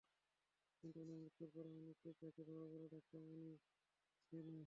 কিন্তু উনার মৃত্যুর পর, আমি নিশ্চিত যাকে বাবা বলে ডাকতাম উনি সে না।